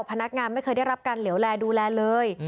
พนักงานไม่เคยได้รับการเหลวแลดูแลเลย